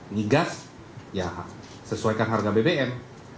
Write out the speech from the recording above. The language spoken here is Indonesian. migas ya sesuaikan harga bbm